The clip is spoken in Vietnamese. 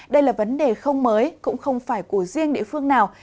đây là vấn đề không mới cũng không phải của riêng địa phương nào